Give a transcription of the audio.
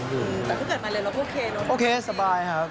เมื่อเกิดมาเร็วเราก็โอเคโอเคสบายครับ